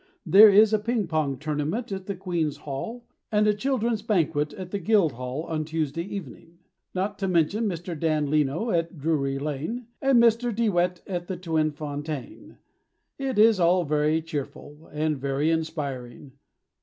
There is a ping pong tournament at the Queen's Hall And a children's banquet At the Guildhall on Tuesday evening; Not to mention Mr. Dan Leno at Drury Lane And Mr. De Wet at the Tweefontein. It is all very cheerful And very inspiriting.